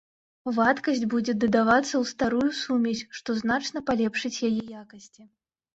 Вадкасць будзе дадавацца ў старую сумесь, што значна палепшыць яе якасці.